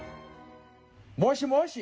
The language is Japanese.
もしもし。